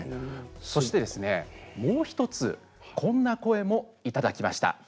そしてですね、もう１つこんな声もいただきました。